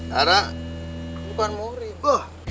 karena bukan murid